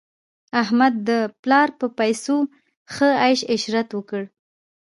احمد د پلا په پیسو ښه عش عشرت وکړ.